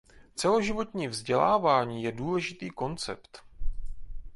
Celoživotní vzdělávání je důležitý koncept.